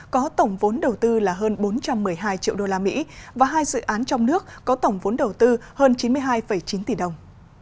có tổng vốn đầu tư là hơn bốn trăm một mươi hai triệu usd và hai dự án trong nước có tổng vốn đầu tư hơn chín mươi hai chín tỷ đồng